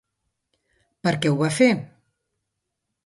Per què ho va fer?